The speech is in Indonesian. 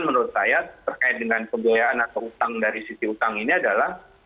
menurut saya terkait dengan pembiayaan atau utang dari sisi utang ini adalah